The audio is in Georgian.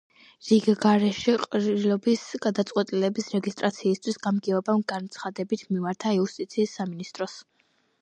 რიგგარეშე ყრილობის გადაწყვეტილების რეგისტრაციისთვის გამგეობამ განცხადებით მიმართა იუსტიციის სამინისტროს.